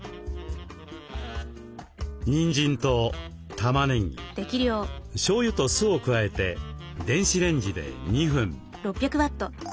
にんじんとたまねぎしょうゆと酢を加えて電子レンジで２分。